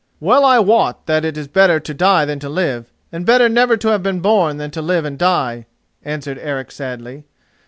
"Well I wot that it is better to die than to live, and better never to have been born than to live and die," answered Eric sadly.